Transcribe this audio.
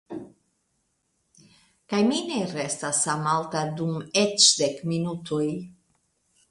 Kaj mi ne restas samalta dum eĉ dek minutoj.